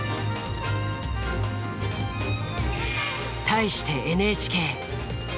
対してＮＨＫ。